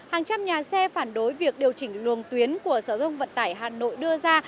hàng trăm nhà xe phản đối việc điều chỉnh luồng tuyến của sở thông vận tải hà nội đưa ra